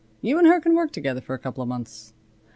You and her can work together for a couple of months.